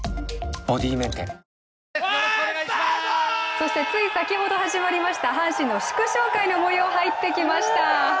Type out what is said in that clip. そしてつい先ほど始まりました阪神の祝勝会の模様、入ってきました。